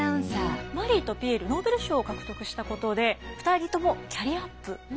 マリーとピエールノーベル賞を獲得したことで２人ともキャリアアップしていくんです。